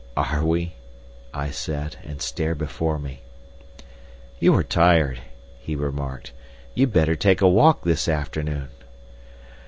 "Are we?" I said, and stared before me. "You are tired," he remarked. "You'd better take a walk this afternoon."